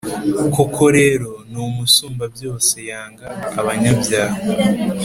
Koko rero, n’Umusumbabyose yanga abanyabyaha,